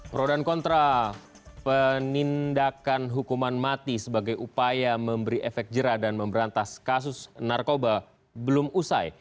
pro dan kontra penindakan hukuman mati sebagai upaya memberi efek jerah dan memberantas kasus narkoba belum usai